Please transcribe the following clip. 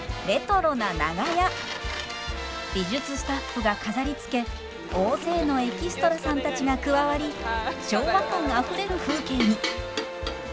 美術スタッフが飾りつけ大勢のエキストラさんたちが加わり昭和感あふれる風景に。